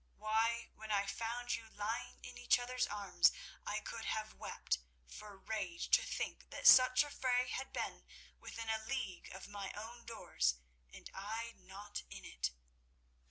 Why, when I found you lying in each other's arms I could have wept for rage to think that such a fray had been within a league of my own doors and I not in it."